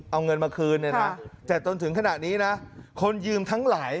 เอาเงินมาคืนนะครับแต่ต้นถึงขนาดนี้นะคนยืมทั้งหลาย